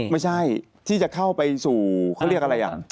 ไม่ใช่ที่จะเข้าไปสู่เขาเรียกอะไรอ่ะ